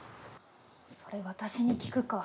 それ私に聞くか？